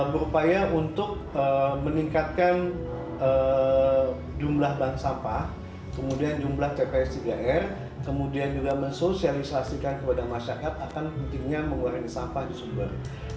berupaya untuk meningkatkan jumlah bank sampah kemudian jumlah tps tiga r kemudian juga mensosialisasikan kepada masyarakat akan pentingnya mengurangi sampah di sumber